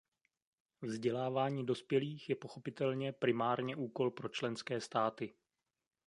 Vzdělávání dospělých je pochopitelně primárně úkol pro členské státy.